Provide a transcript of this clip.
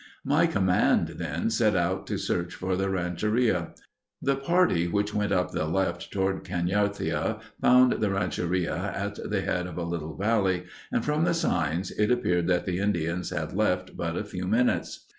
My command then set out to search for the Rancheria. The party which went up the left toward Can yarthia [?] found the rancheria at the head of a little valley, and from the signs it appeared that the Indians had left but a few minutes.